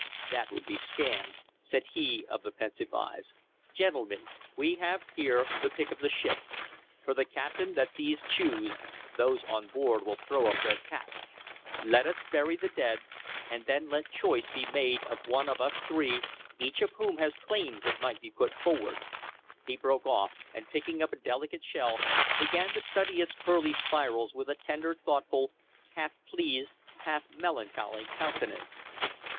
"That would be scanned," said he of the pensive eyes. "Gentlemen, we have here the pick of the ship. For the captain that these choose, those on board will throw up their caps. Let us bury the dead, and then let choice be made of one of us three, each of whom has claims that might be put forward" He broke off and picking up a delicate shell began to study its pearly spirals with a tender, thoughtful, half pleased, half melancholy countenance.